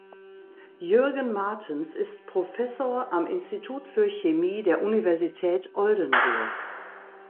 Jürgen Martens ist Professor am Institut für Chemie der Universität Oldenburg.